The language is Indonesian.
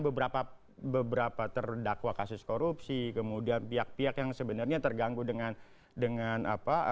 beberapa beberapa terdakwa kasus korupsi kemudian pihak pihak yang sebenarnya terganggu dengan dengan apa